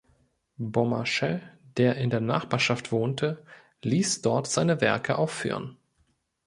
Beaumarchais, der in der Nachbarschaft wohnte, ließ dort seine Werke aufführen.